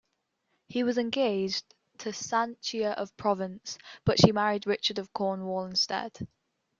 He was engaged to Sanchia of Provence, but she married Richard of Cornwall instead.